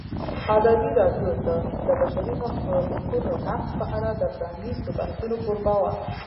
ازادي راډیو د د بشري حقونو نقض په اړه د پرانیستو بحثونو کوربه وه.